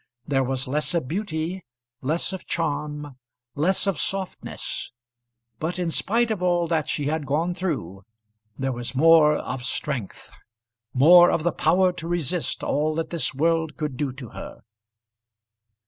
There was less of beauty, less of charm, less of softness; but in spite of all that she had gone through there was more of strength, more of the power to resist all that this world could do to her.